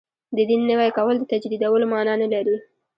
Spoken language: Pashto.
د دین نوی کول د تجدیدولو معنا نه لري.